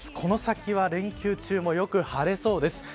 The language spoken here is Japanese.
この先は連休中もよく晴れそうです。